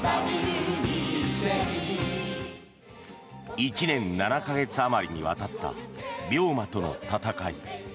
１年７か月あまりにわたった病魔との闘い。